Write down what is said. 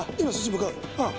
ああ